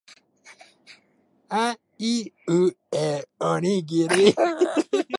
あいうえおにぎり